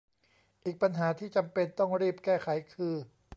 อีกปัญหาที่จำเป็นต้องรีบแก้ไขคือ